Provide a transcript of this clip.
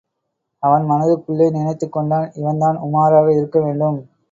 அவன் மனதுக்குள்ளே நினைத்துக் கொண்டான், இவன்தான் உமாராக இருக்க வேண்டும்.